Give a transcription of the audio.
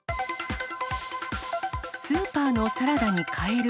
スーパーのサラダにカエル。